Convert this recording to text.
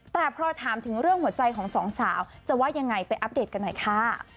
แต่พอถามถึงเรื่องหัวใจของสองสาวจะว่ายังไงไปอัปเดตกันหน่อยค่ะ